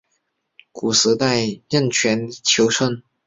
古时属荏原郡衾村。